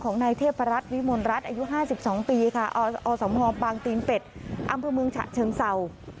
ของนายเทพรัตรวิมลรัฐอายุ๕๒ปีค่ะอสมปางตีนเป็ดอัมพมืองฉะเชิงเซา